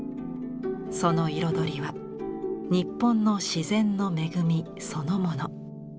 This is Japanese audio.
その彩りは日本の自然の恵みそのもの。